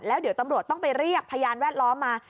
แล้วเดี๋ยวตำรวจต้องไปเรียกพยานแวดล้อมมา